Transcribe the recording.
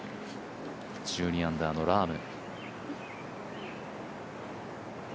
１２アンダーのラーム。